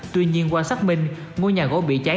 tuy nhiên qua xác minh ngôi nhà gỗ bị cháy